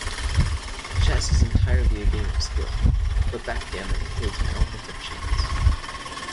Chess is entirely a game of skill, but backgammon includes an element of chance